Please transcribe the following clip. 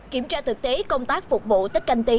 kiểm tra thực tế công tác phục vụ tết canh tí